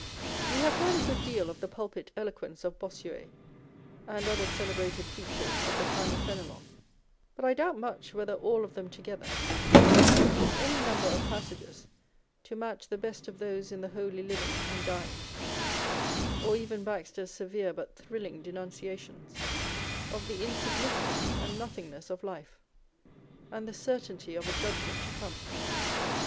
We have heard a good deal of the pulpit eloquence of Bossuet and other celebrated preachers of the time of Fenelon ; but I doubt much whether all of them together could produce any number of passages to match the best of those in the Holy Living and Dying, or even Baxter's severe but thrilling denunciations of the insignificance and nothing ness of life and the certainty of a judgment to come.